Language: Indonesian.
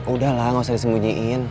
udah lah gak usah disemujiin